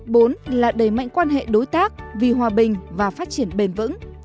bốn là đẩy mạnh quan hệ đối tác vì hòa bình và phát triển bền vững